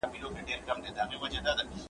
زه د کتابتون د کار مرسته نه کوم!!